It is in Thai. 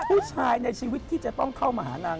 ผู้ชายในชีวิตที่จะต้องเข้ามาหานาง